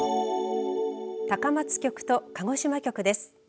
高松局と鹿児島局です。